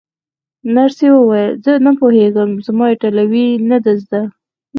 نرسې وویل: زه نه پوهېږم، زما ایټالوي نه ده زده.